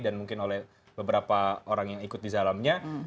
dan mungkin oleh beberapa orang yang ikut di zalamnya